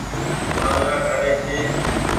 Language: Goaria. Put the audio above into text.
وآڌڙآ ڪآڙي ڇي۔